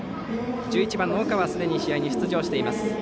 １１番の岡はすでに試合に出場しています。